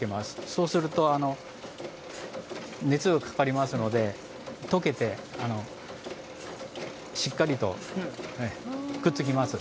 そうすると、熱がかかりますので、溶けて、しっかりとくっつきます。